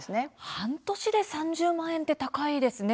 半年で３０万円って高いですね。